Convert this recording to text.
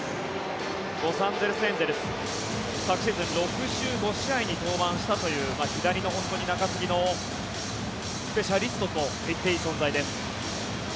ロサンゼルス・エンゼルス。昨シーズン６５試合に登板したという左の中継ぎのスペシャリストと言っていい存在です。